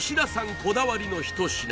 こだわりの一品